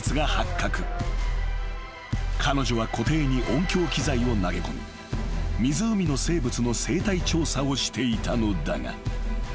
［彼女は湖底に音響機材を投げ込み湖の生物の生態調査をしていたのだが］